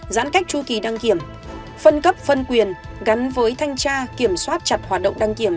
giãn cách tru kỳ đăng kiểm phân cấp phân quyền gắn với thanh tra kiểm soát chặt hoạt động đăng kiểm